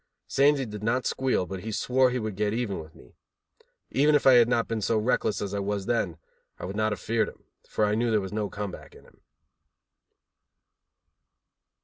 Sandy did not squeal, but he swore he would get even with me. Even if I had not been so reckless as I was then, I would not have feared him, for I knew there was no come back in him.